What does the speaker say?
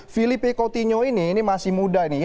filipe coutinho ini masih muda